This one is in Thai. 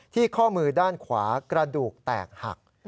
ข้อมือด้านขวากระดูกแตกหัก